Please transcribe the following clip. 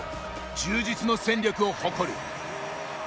充実の戦力を誇る。